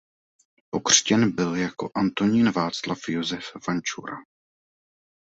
Pokřtěn byl jako Antonín Václav Josef Vančura.